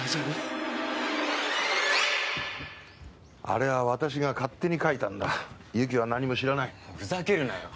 あれは私が勝手に書いたんだ友紀は何にも知らないふざけるなよ！